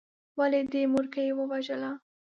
ولې دې مورکۍ ووژله.